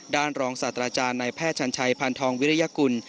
รองศาสตราจารย์ในแพทย์ชันชัยพันธองวิริยกุล